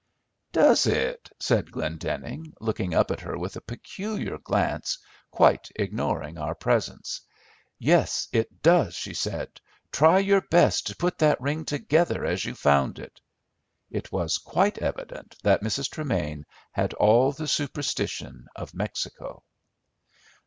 "Does it?" said Glendenning, looking up at her with a peculiar glance, quite ignoring our presence. "Yes, it does," she said; "try your best to put that ring together as you found it." It was quite evident that Mrs. Tremain had all the superstition of Mexico.